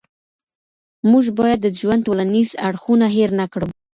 موږ باید د ژوند ټولنیز اړخونه هېر نه کړو.